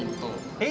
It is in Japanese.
えっ？